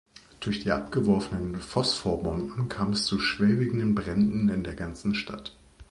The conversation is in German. Durch die abgeworfenen Phosphorbomben kam es zu schwerwiegenden Bränden in der ganzen Stadt.